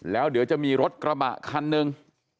แล้วเดี๋ยวจะมีรถกระบะคันหนึ่ง